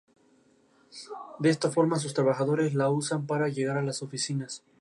Más tarde estudió en el Magdalene College, Cambridge y se convirtió en ciudadano británico.